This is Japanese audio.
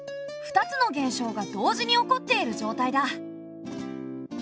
２つの現象が同時に起こっている状態だ。